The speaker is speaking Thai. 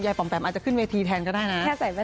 ปอมแปมอาจจะขึ้นเวทีแทนก็ได้นะ